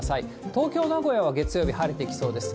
東京、名古屋は月曜日、晴れてきそうです。